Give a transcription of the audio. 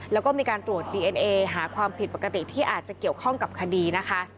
แล้วก็มีการตรวจดีเอ็นเอหาความผิดปกติที่อาจจะเกี่ยวข้องกับคดีนะคะ